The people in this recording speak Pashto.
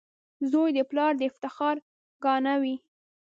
• زوی د پلار د افتخار ګاڼه وي.